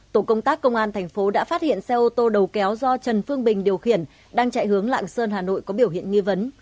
tổ công tác công an thành phố đã phát hiện xe ô tô đầu kéo do trần phương bình điều khiển đang chạy hướng lạng sơn hà nội có biểu hiện nghi vấn